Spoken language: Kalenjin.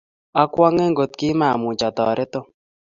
akwonge ngot kimwamuch atoret Tom